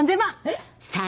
えっ？